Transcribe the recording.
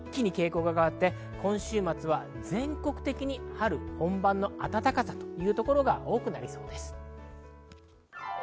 金曜日頃から一気に傾向が変わって今週末は全国的に春本番の暖かさというところが多くなりそうです。